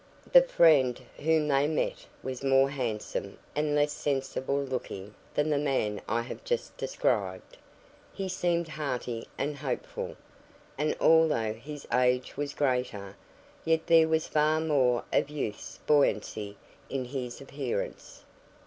The friend whom they met was more handsome and less sensible looking than the man I have just described; he seemed hearty and hopeful, and although his age was greater, yet there was far more of youth's buoyancy in his appearance.